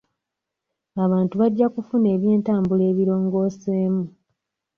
Abantu bajja kufuna eby'entambula ebirongoseemu.